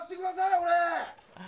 俺。